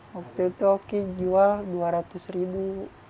waktu itu oki jual dua ratus ribu